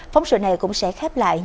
phóng sự này cũng sẽ khép lại